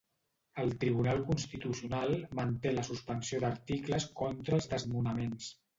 El Tribunal Constitucional manté la suspensió d'articles contra els desnonaments.